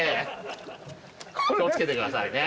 気を付けてくださいね。